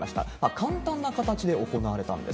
簡単な形で行われたんです。